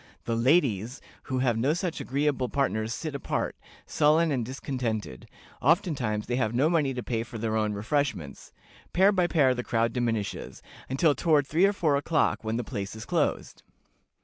The ladies who have no such agreeable partners sit apart, sullen and discontented; oftentimes they have no money to pay for their own refreshments. Pair by pair the crowd diminishes, until toward three or four o'clock, when the place is closed."